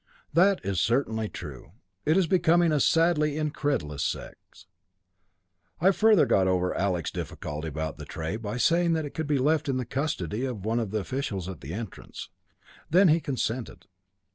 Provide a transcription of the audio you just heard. "That is certainly true. It is becoming a sadly incredulous sex. I further got over Alec's difficulty about the tray by saying that it could be left in the custody of one of the officials at the entrance. Then he consented.